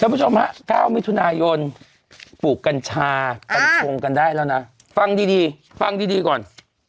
แล้วผู้ชมฮะ๙มิถุนายนปลูกกัญชากันทงกันได้แล้วนะฟังดีก่อน